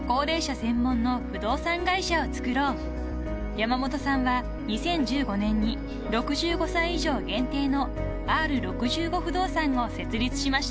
［山本さんは２０１５年に６５歳以上限定のＲ６５不動産を設立しました］